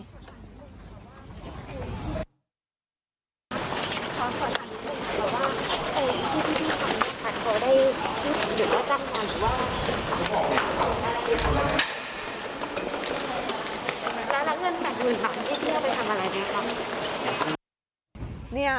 พี่พี่เข้าไปทำอะไรดีครับ